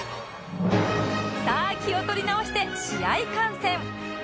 さあ気を取り直して試合観戦